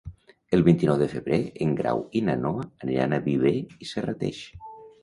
El vint-i-nou de febrer en Grau i na Noa aniran a Viver i Serrateix.